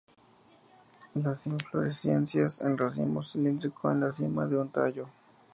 Las inflorescencias en racimos cilíndrico en la cima de un tallo.